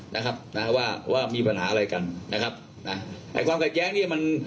นะครับนะว่าว่ามีปัญหาอะไรกันนะครับนะไอ้ความขัดแย้งเนี้ยมัน